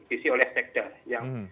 isi oleh sekda yang